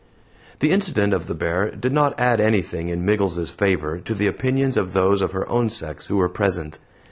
The incident of the bear did not add anything in Miggles's favor to the opinions of those of her own sex who were present.